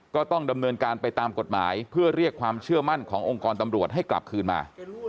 ก็ต้องดำเนินการไปตามกฎหมายเพื่อเรียกความเชื่อมั่นขององค์กรตำรวจให้กลับคืนมา